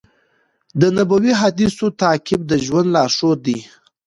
د نبوي حدیثونو تعقیب د ژوند لارښود دی.